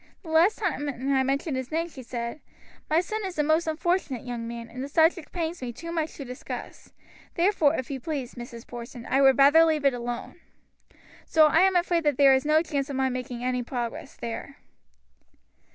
"The last time I mentioned his name she said: 'My son is a most unfortunate young man, and the subject pains me too much to discuss. Therefore, if you please, Mrs. Porson, I would rather leave it alone.' So I am afraid there is no chance of my making any progress there."